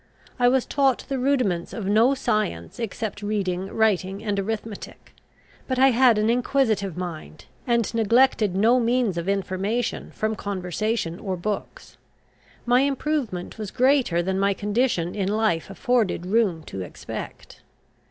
I was taught the rudiments of no science, except reading, writing, and arithmetic. But I had an inquisitive mind, and neglected no means of information from conversation or books. My improvement was greater than my condition in life afforded room to expect.